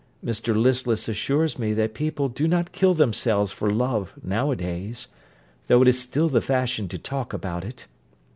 Mr Listless assures me that people do not kill themselves for love now a days, though it is still the fashion to talk about it.